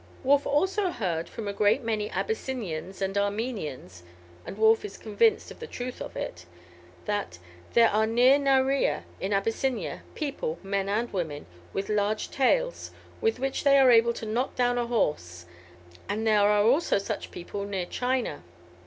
Wolf heard also from a great many Abyssinians and Armenians (and Wolf is convinced of the truth of it), that "there are near Narea, in Abyssinia, people men and women with large tails, with which they are able to knock down a horse; and there are also such people near China."